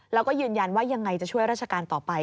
แล้วก็ยืนยันว่ายังไงจะช่วยราชการต่อไป